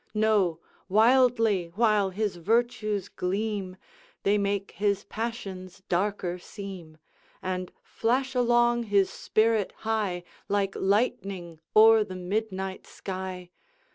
No! wildly while his virtues gleam, They make his passions darker seem, And flash along his spirit high, Like lightning o'er the midnight sky.